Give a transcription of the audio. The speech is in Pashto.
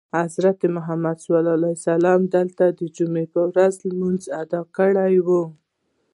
حضرت محمد دلته دجمعې لمونځ ادا کړی وو.